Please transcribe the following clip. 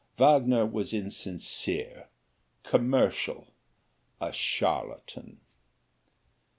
Wagner was insincere commercial a charlatan.